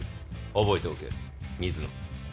覚えておけ水野。